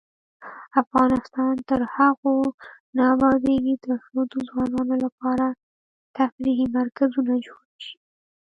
افغانستان تر هغو نه ابادیږي، ترڅو د ځوانانو لپاره تفریحي مرکزونه جوړ نشي.